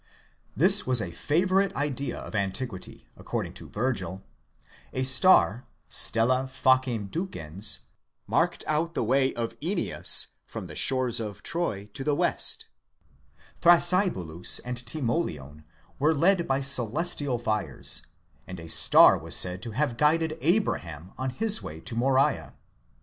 This was a favourite idea of antiquity : according to Virgil, a star, stella facem ducens, marked out the way of Aineas from the shores of Troy to the west 15; Thrasybulus and Timoleon were led by celestial fires; and a star was said to have guided Abraham on his way to Moriah.!